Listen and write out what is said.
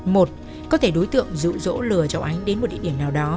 một có thể đối tượng dụ dỗ lừa cháu ánh đến một địa điểm nào đó